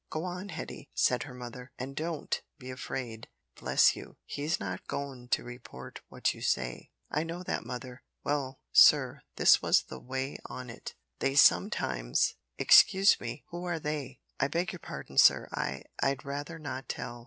"Go on, Hetty," said her mother, "and don't be afraid. Bless you, he's not goin' to report what you say." "I know that, mother. Well, sir, this was the way on it. They sometimes " "Excuse me who are `they'?" "I beg pardon, sir, I I'd rather not tell."